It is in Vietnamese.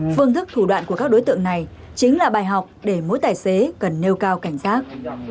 phương thức thủ đoạn của các đối tượng này chính là bài học để mỗi tài xế cần nêu cao cảnh giác